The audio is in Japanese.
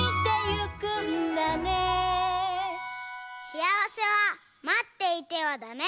しあわせはまっていてはダメ！